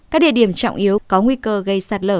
các địa điểm trọng yếu có nguy cơ gây sạt lở